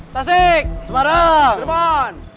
tasik semarang cerban